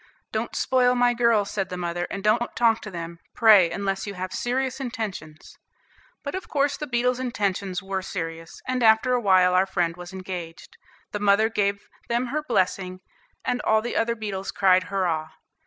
"Don't spoil my girls," said the mother; "and don't talk to them, pray, unless you have serious intentions." But of course the beetle's intentions were serious, and after a while our friend was engaged. The mother gave them her blessing, and all the other beetles cried "hurrah."